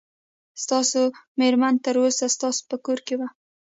ستاسو مېرمن تر اوسه ستاسو په کور کې وه.